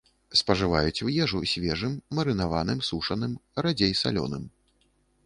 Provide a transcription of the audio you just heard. Спажываюць у ежу свежым, марынаваным, сушаным, радзей салёным.